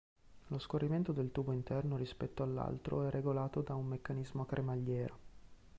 Lo scorrimento del tubo interno rispetto all'altro è regolato da un meccanismo a cremagliera.